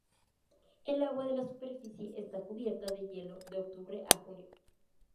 El agua de la superficie está cubierta de hielo de octubre a junio.